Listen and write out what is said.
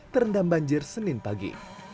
terendam banjir senin pagi